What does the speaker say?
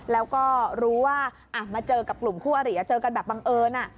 แล้วก็รู้ว่ามาเจอกับกลุ่มคู่อริเจอกันแบบบังเอิญ